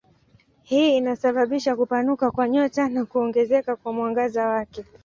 Hii inasababisha kupanuka kwa nyota na kuongezeka kwa mwangaza wake.